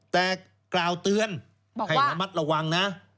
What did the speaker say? แต่กล่าวเตือนให้ระมัดระวังนะ